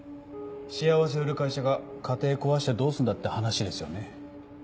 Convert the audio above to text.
幸せ売る会社が家庭壊してどうすんだって話ですよね。